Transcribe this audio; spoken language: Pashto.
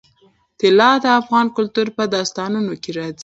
طلا د افغان کلتور په داستانونو کې راځي.